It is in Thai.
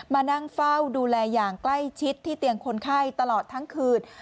มานั่งเฝ้าดูแลอย่างใกล้ชิดที่เตียงคนไข้ตลอดทั้งคืน